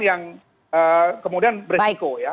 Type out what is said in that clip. yang kemudian beresiko ya